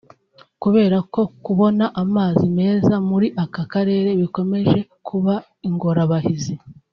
kubera ko kubona amazi meza muri aka karere bikomeje kuba ingorabahizi